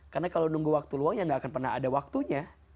karena kalau nunggu waktu luang ya gak akan pernah ada waktunya